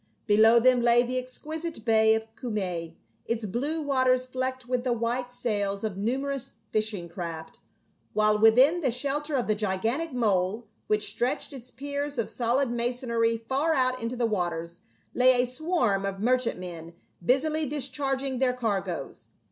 Below them lay the exquisite bay of Cumae, its blue waters flecked with the white sails of numerous fishing craft; while within the shel ter of the gigantic mole, which stretched its piers of solid masonry far out into the waters, lay a swarm of merchantmen busily discharging their cargoes.